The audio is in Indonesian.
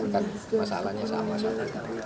kan masalahnya sama sama kan